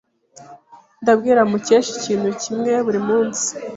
Ndabwira Mukesha ikintu kimwe buri munsi.